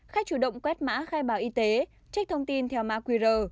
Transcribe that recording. khách chủ động quét mã khai báo y tế trích thông tin theo mã qr